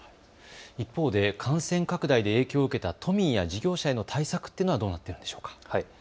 一方で感染拡大で影響を受けた都民や事業者への対策というのはどうなっているんでしょうか。